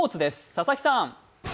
佐々木さん。